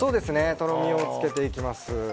とろみをつけていきます。